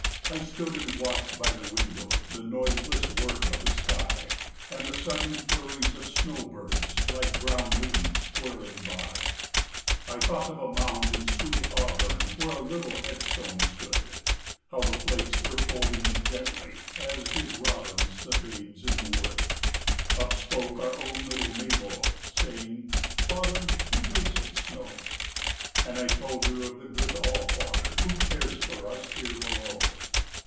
I stood and watched by the window The noiseless work of the sky, And the sudden flurries of snow birds, 15 Like brown leaves whirling by. I thought of a mound in sweet Auburn Where a little headstone stood; How the flakes were folding it gently, As did robins the babes in the wood. 20 Up spoke our own little Mabel, Saying, "Father, who makes it snow?" And I told of the good All father Who cares for us here below.